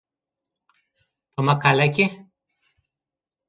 په مقاله کې